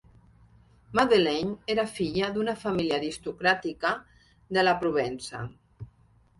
Madeleine era filla d'una família aristocràtica de la Provença.